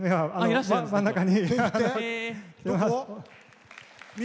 真ん中に。